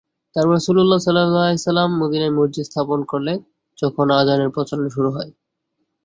তারপর রাসূলুল্লাহ সাল্লাল্লাহু আলাইহি ওয়াসাল্লাম মদীনায় মসজিদ স্থাপন করলে যখন আযানের প্রচলন শুরু হল।